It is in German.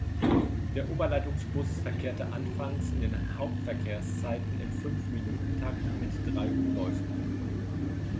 Der Oberleitungsbus verkehrte anfangs in den Hauptverkehrszeiten im Fünf-Minuten-Takt mit drei Umläufen.